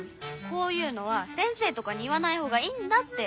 こういうのは先生とかに言わないほうがいいんだって。